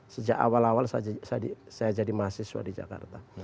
sejak awal awal saya jadi mahasiswa di jakarta